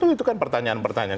itu kan pertanyaan pertanyaan